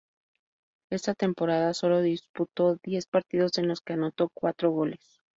Esa temporada sólo disputó diez partidos, en los que anotó cuatro goles.